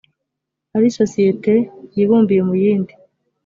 ari isosiyete yibumbiye mu yindi